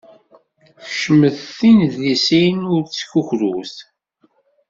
Kecmet tinedlisin ur ttkukrut!